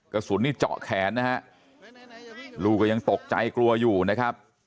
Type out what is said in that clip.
กระสุนนี่เจาะแขนนะฮะลูกก็ยังตกใจกลัวอยู่นะครับ